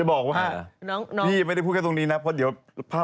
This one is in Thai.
จะบอกว่าน้องน้องพี่ไม่ได้พูดแค่ตรงนี้น่ะเพราะเดี๋ยวภาพ